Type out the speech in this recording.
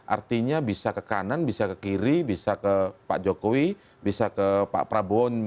artinya bisa ke kanan bisa ke kiri bisa ke pak jokowi bisa ke pak prabowo